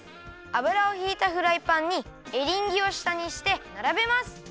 あぶらをひいたフライパンにエリンギをしたにしてならべます。